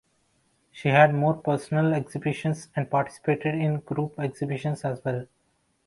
She had made personal exhibitions and participated in group exhibitions as well.